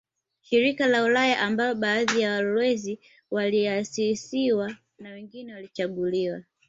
Shirika la Ulaya ambalo baadhi ya walowezi waliasisiwa na wengine walichaguliwa